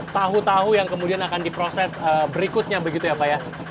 tahu tahu yang kemudian akan diproses berikutnya begitu ya pak ya